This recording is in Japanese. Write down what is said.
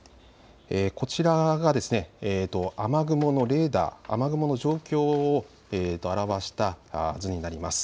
こちらが雨雲のレーダー、雨雲の状況を表した図になります。